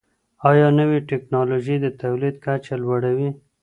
ايا نوې ټکنالوژي د تولید کچه لوړوي؟